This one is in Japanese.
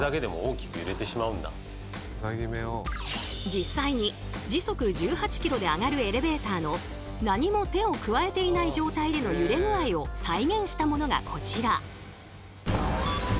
実際に時速１８ｋｍで上がるエレベーターの何も手を加えていない状態での揺れ具合を再現したものがこちら。